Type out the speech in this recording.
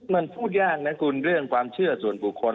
มันพูดยากนะคุณเรื่องความเชื่อส่วนบุคคล